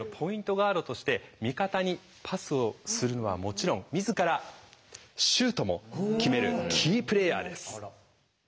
ガードとして味方にパスをするのはもちろん自らシュートも決めるキープレーヤーです。